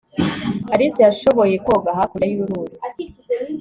alice yashoboye koga hakurya y'uruzi